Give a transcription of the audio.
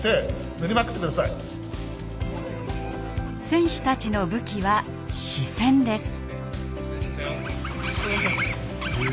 選手たちの武器は「視線」です。